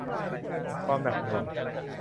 ความหนักหน่วง